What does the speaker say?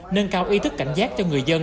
nâng cao ý thức cảnh giác cho người dân